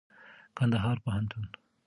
کنــدهـــار پوهنـتــون